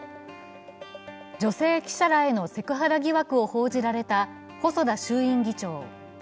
女性記者らへのセクハラ疑惑を報じられた細田衆議院議長。